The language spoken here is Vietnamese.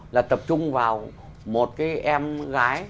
là tập trung vào một cái em gái